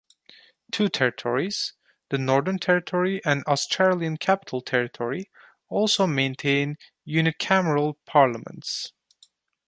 Two territories, the Northern Territory and Australian Capital Territory, also maintain unicameral parliaments.